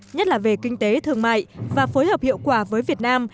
nhất là về kinh tế thương mại và phối hợp hiệu quả với việt nam